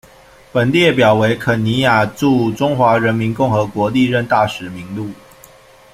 本列表为肯尼亚驻中华人民共和国历任大使名录。